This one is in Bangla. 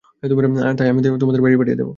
তাই আমি তোমাদের বাড়ি পাঠিয়ে দেবো।